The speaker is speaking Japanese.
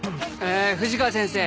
藤川先生